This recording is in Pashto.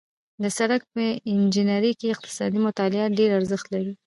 د سړک په انجنیري کې اقتصادي مطالعات ډېر ارزښت لري